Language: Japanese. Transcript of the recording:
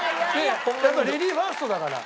やっぱレディーファーストだから。